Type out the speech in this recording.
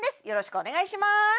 よろしくお願いします